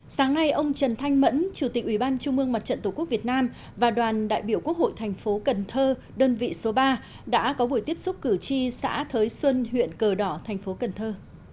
sáng nay ông trần thanh mẫn chủ tịch ủy ban trung mương mặt trận tổ quốc việt nam và đoàn đại biểu quốc hội thành phố cần thơ đơn vị số ba đã có buổi tiếp xúc cử tri xã thới xuân huyện cờ đỏ thành phố cần thơ